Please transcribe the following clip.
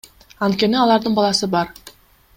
Анткени алардын баласы бар.